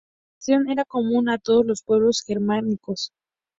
La tradición era común a todos los pueblos germánicos.